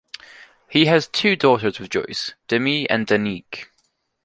He has two daughters with Joyce, Demi and Danique.